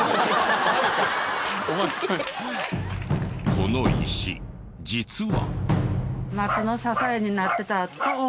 この石実は。